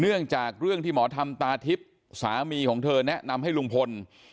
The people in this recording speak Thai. เรื่องจากเรื่องที่หมอทำตาทิพย์สามีของเธอแนะนำให้ลุงพล